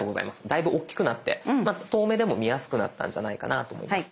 だいぶ大きくなって遠目でも見やすくなったんじゃないかなと思います。